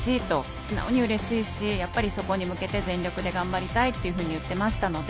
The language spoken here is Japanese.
すなおにうれしいしそこに向けて全力で頑張りたいと言っていましたので